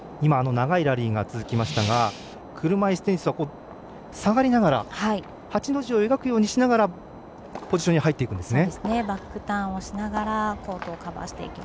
長いラリーが続きましたが車いすテニスは下がりながら８の字を描くようにしながらポジションに入っていくんですね。